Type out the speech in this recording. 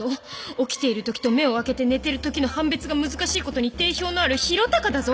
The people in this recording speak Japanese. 起きているときと目を開けて寝てるときの判別が難しいことに定評のある宏嵩だぞ。